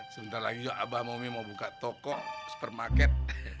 sebentar lagi tuh abah sama umi mau buka toko supermarket